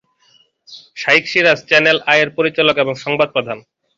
Shaikh Siraj channel I এর পরিচালক এবং সংবাদ প্রধান।